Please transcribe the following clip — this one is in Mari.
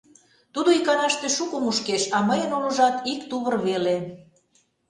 — Тудо иканаште шуко мушкеш, а мыйын улыжат ик тувыр веле.